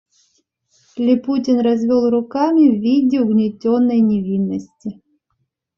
Липутин развел руками в виде угнетенной невинности.